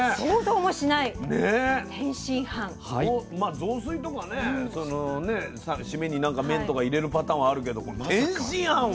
雑炊とかねシメに何か麺とか入れるパターンはあるけど天津飯は。